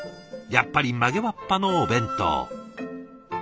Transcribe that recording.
やっぱり曲げわっぱのお弁当。